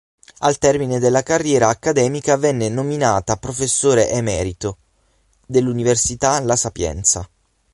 Al termine della carriera accademica venne nominata Professore Emerito dell'Università "La Sapienza".